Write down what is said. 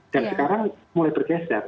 dan sekarang mulai bergeser